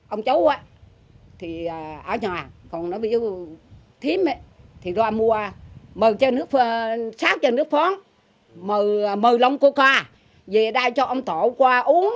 ông cháu thì ở nhà còn nó bị thiếm thì ra mua sát cho nước phóng mờ lông coca về đây cho ông tổ qua uống